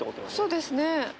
そうですね。